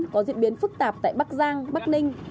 có diễn biến phức tạp tại bắc giang bắc ninh